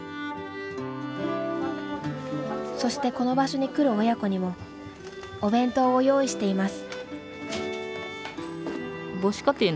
そしてこの場所に来る親子にもお弁当を用意しています。